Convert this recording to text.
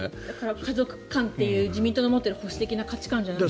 家族観という自民党の持っている保守的な価値観じゃないですか。